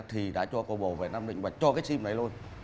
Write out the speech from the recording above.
thì đã cho cầu bầu về nam định và cho cái sim này luôn